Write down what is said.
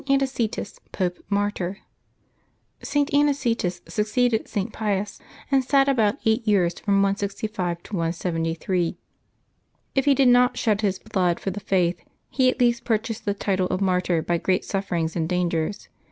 ANICETUS, Pope, Martyr. [t. Anicetus succeeded St. Pius, and sat about eight years, from 165 to 173. If he did not shed his blood for the Paith, he at least purchased the title of martyr by great sufferings and dangers.